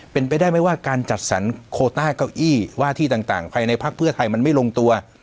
เป็นไปได้ไหมว่าการจัดสรรโคต้าเก้าอี้ว่าที่ต่างภายในพักเพื่อไทยมันไม่ลงตัว